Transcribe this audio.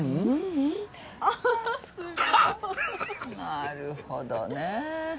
なるほどね。